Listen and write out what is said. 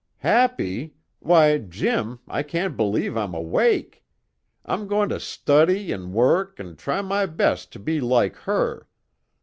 "Happy? Why, Jim, I can't believe I'm awake! I'm going to study an' work an' try my best to be like her.